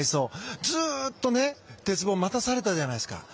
ずっと、鉄棒待たされたじゃないですか。